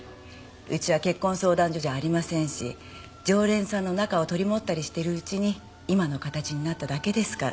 うちは結婚相談所じゃありませんし常連さんの仲を取り持ったりしているうちに今の形になっただけですから。